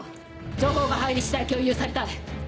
情報が入り次第共有されたい。